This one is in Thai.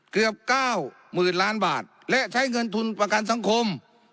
เกือบเก้าหมื่นล้านบาทและใช้เงินทุนประกันสังคม